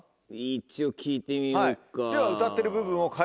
一応聴いてみるか。